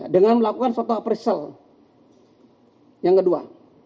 dengan melakukan foto apresial yang kedua